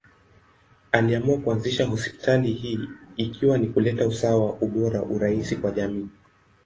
Aliamua kuanzisha hospitali hii ikiwa ni kuleta usawa, ubora, urahisi kwa jamii.